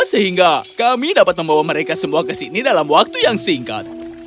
sehingga kami dapat membawa mereka semua ke sini dalam waktu yang singkat